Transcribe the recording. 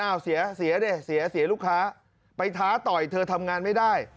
เสียเสียดิเสียเสียลูกค้าไปท้าต่อยเธอทำงานไม่ได้